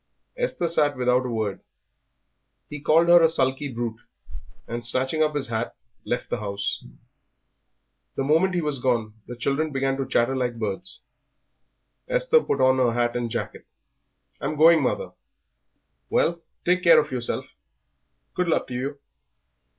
Esther sat without a word. He called her a sulky brute, and, snatching up his hat, left the house. The moment he was gone the children began to chatter like birds. Esther put on her hat and jacket. "I'm going, mother." "Well, take care of yourself. Good luck to you."